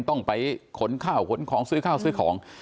ต้องไปขนข้าวขนของซื้อข้าวซื้อของ